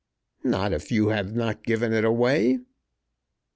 "Not if you have not given it away?"